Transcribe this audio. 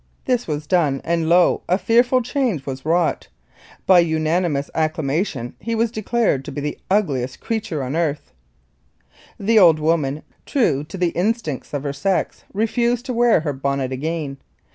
This was done, and lo! a fearful change was wrought. By unanimous acclamation he was declared to be "the ugliest creature on earth." The old woman, true to the instincts of her sex, refused to wear her bonnet again.